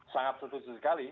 sangat setuju sekali